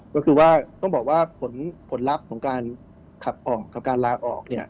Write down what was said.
ก็คือว่าต้องบอกว่าผลลัพธ์ของการขับออกกับการลาออก